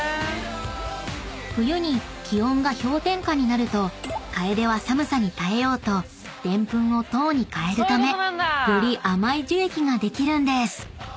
［冬に気温が氷点下になるとカエデは寒さに耐えようとでんぷんを糖に変えるためより甘い樹液ができるんです］